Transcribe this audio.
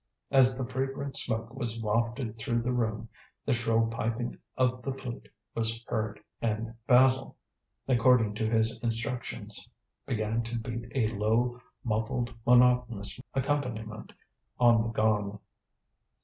As the fragrant smoke was wafted through the room, the shrill piping of the flute was heard, and Basil, according to his instructions, began to beat a low, muffled, monotonous accompaniment on the gong.